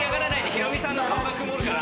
ヒロミさんの顔が曇るから。